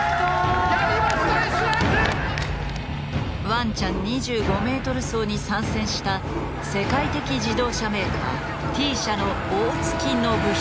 「ワンちゃん２５Ｍ走」に参戦した世界的自動車メーカーＴ社の大槻将久。